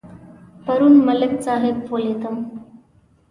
پرون ملک صاحب ولیدم.